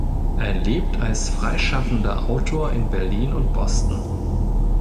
Er lebt als freischaffender Autor in Berlin und Boston.